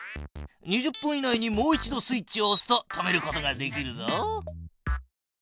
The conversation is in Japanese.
２０分以内にもう一度スイッチをおすと止めることができるぞ。